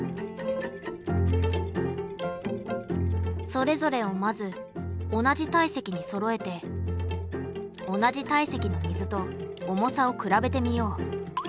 それぞれをまず同じ体積にそろえて同じ体積の水と重さを比べてみよう。